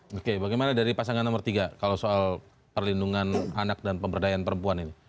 oke bagaimana dari pasangan nomor tiga kalau soal perlindungan anak dan pemberdayaan perempuan ini